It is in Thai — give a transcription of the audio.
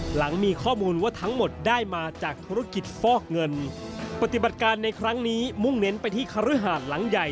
หลังมีข้อมูลว่าทั้งหมดได้มาจากธุรกิจฟอกเงินปฏิบัติการในครั้งนี้มุ่งเน้นไปที่คฤหาสหลังใหญ่